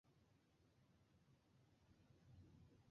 Radio ব্যক্তিত্বের বেতন বছরের অভিজ্ঞতা ও শিক্ষার দ্বারা প্রভাবিত হয়।